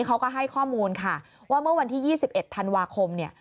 เขาก็ให้ข้อมูลค่ะว่าเมื่อวันที่๒๑ธันวาคมเนี่ย